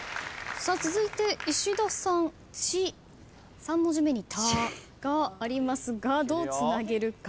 続いて石田さん「ち」３文字目に「た」がありますがどうつなげるか。